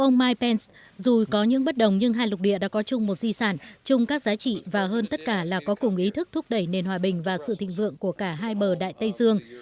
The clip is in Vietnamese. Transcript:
ông mike pence dù có những bất đồng nhưng hai lục địa đã có chung một di sản chung các giá trị và hơn tất cả là có cùng ý thức thúc đẩy nền hòa bình và sự thịnh vượng của cả hai bờ đại tây dương